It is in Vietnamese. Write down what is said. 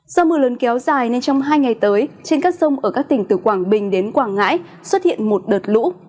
do mưa lớn kéo dài nên trong hai ngày tới trên các sông ở các tỉnh từ quảng bình đến quảng ngãi xuất hiện một đợt lũ